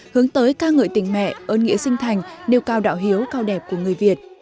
hướng tới ca ngợi tình mẹ ơn nghĩa sinh thành nêu cao đạo hiếu cao đẹp của người việt